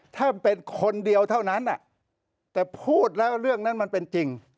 ถ้าเป็นคนเดียวเท่านั้นแต่พูดแล้วเรื่องนั้นมันเป็นจริง